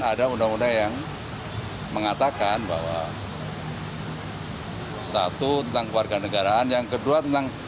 ada undang undang yang mengatakan bahwa satu tentang keluarga negaraan yang kedua tentang